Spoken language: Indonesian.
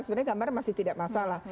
sebenarnya gambaran masih tidak masalah